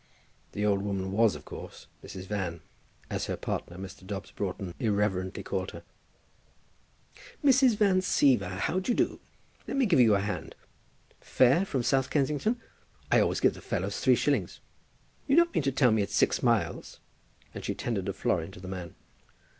The old woman was, of course, Mother Van, as her partner, Mr. Dobbs Broughton, irreverently called her. "Mrs. Van Siever, how d'ye do? Let me give you a hand. Fare from South Kensington? I always give the fellows three shillings." "You don't mean to tell me it's six miles!" And she tendered a florin to the man.